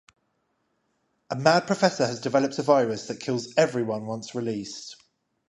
A mad professor has developed a virus that kills everyone once released.